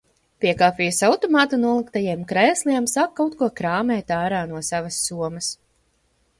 Pie kafijas automāta noliktajiem krēsliem sāk kaut ko krāmēt ārā no savas somas.